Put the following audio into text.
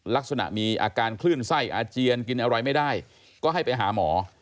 ลักษณะมีอาการคลื่นไส้อาเจียนกินอะไรไม่ได้ก็ให้ไปหาหมอ